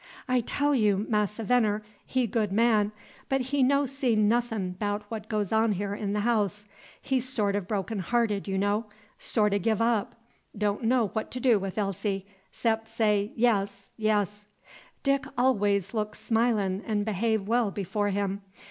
"I tell you. Massa Venner, he good man, but he no see nothin' 'bout what goes on here in the house. He sort o' broken hearted, you know, sort o' giv up, don' know what to do wi' Elsie, 'xcep' say 'Yes, yes.' Dick always look smilin' 'n' behave well before him.